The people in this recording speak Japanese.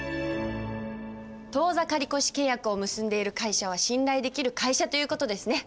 当座借越契約を結んでいる会社は「信頼できる会社」という事ですね。